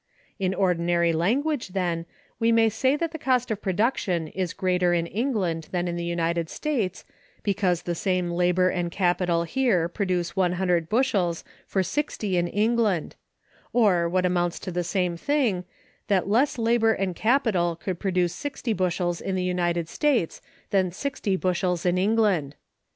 ] In ordinary language, then, we say that the cost of production is greater in England than in the United States, because the same labor and capital here produce one hundred bushels for sixty in England; or, what amounts to the same thing, that less labor and capital could produce sixty bushels in the United States than sixty bushels in England.